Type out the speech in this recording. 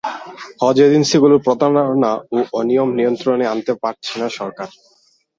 হজ এজেন্সিগুলোর প্রতারণা ও অনিয়ম নিয়ন্ত্রণে আনতে পারছে না সরকার।